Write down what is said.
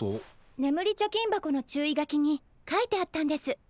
眠り貯金箱の注意書きに書いてあったんです。